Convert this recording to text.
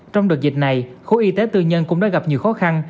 trong đợt dịch này khối y tế tư nhân cũng đã gặp nhiều khó khăn